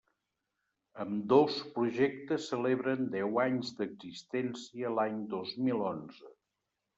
Ambdós projectes celebren deu anys d'existència l'any dos mil onze.